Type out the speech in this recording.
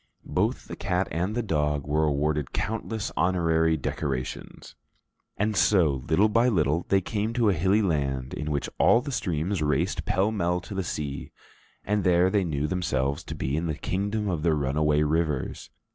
Both the cat and the dog were awarded countless honorary decorations. And so, little by little, they came to a hilly land in which all the streams raced pell mell to the sea, and there they knew themselves to be in the Kingdom of the Runaway Rivers.